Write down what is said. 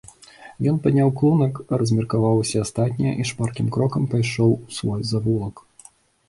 Ён падняў клунак, размеркаваў усе астатнія і шпаркім крокам пайшоў у свой завулак.